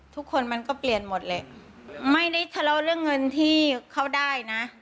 ทุกคนมันก็เปลี่ยนหมดแหละไม่ได้ทะเลาะเรื่องเงินที่เขาได้นะ